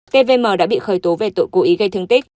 pvm đã bị khởi tố về tội cố ý gây thương tích